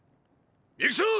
行くぞ！！